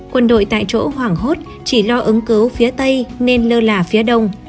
quân đội tại chỗ hoảng hốt chỉ lo ứng cứu phía tây nên lơ là phía đông